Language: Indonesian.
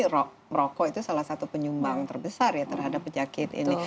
rokok itu salah satu penyumbang terbesar terhadap penyakit ini